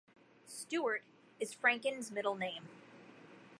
Stuart is Franken's middle name.